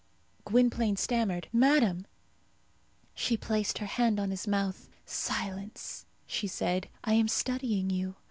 Gwynplaine stammered, "Madame " She placed her hand on his mouth. "Silence," she said. "I am studying you.